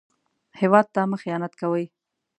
هېواد ته مه خيانت کوئ